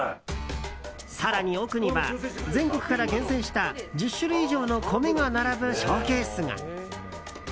更に奥には、全国から厳選した１０種類以上の米が並ぶショーケースが。